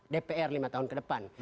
dpr lima tahun ke depan